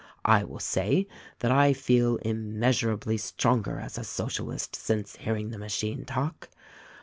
I will say that I feel immeasurably stronger as a Socialist since hearing the machine talk.